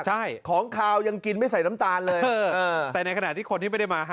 ใช่ของขาวยังกินไม่ใส่น้ำตาลเลยแต่ในขณะที่คนที่ไม่ได้มาฮะ